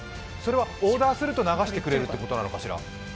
オーダーすると流してくれるということなのかしら？